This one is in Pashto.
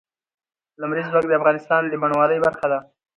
لمریز ځواک د افغانستان د بڼوالۍ برخه ده.